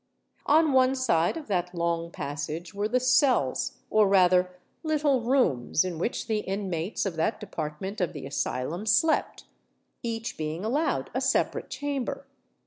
On one side of that long passage were the cells, or rather little rooms, in which the inmates of that department of the asylum slept, each being allowed a separate chamber.